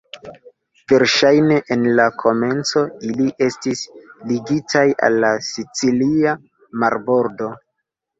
Verŝajne en la komenco ili estis ligitaj al la sicilia marbordo.